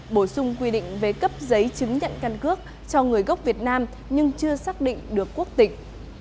bổ sung quy định về cấp giấy chứng nhận căn cước cho người gốc việt nam nhưng chưa xác định được quốc tịch